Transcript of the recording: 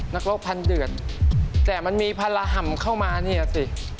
นักรบพันเดือดแต่มันมีภาระห่ำเข้ามาเนี่ยสิ